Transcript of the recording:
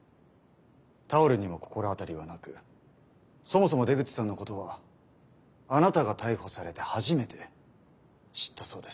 タオルにも心当たりはなくそもそも出口さんのことはあなたが逮捕されて初めて知ったそうです。